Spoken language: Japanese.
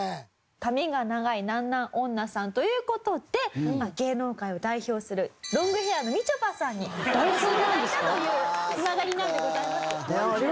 髪が長いなんなん女さんという事で芸能界を代表するロングヘアのみちょぱさんにお越し頂いたという繋がりなんでございます。